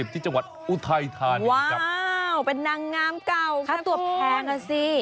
ที่จังหวัดอุทัยธานีอ้าวเป็นนางงามเก่าค่าตัวแพงอ่ะสิ